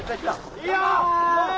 いいよ！